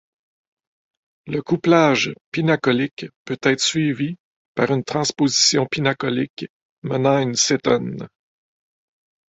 Le couplage pinacolique peut être suivi par une transposition pinacolique menant à une cétone.